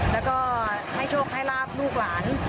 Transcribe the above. แล้วก็ให้โชคให้ลาบลูกหลาน